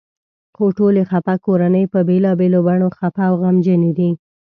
خو ټولې خپه کورنۍ په بېلابېلو بڼو خپه او غمجنې دي.